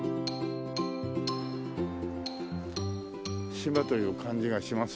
島という感じがしますよね。